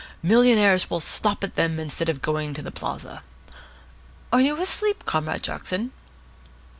Millionaires will stop at them instead of going to the Plaza. Are you asleep, Comrade Jackson?"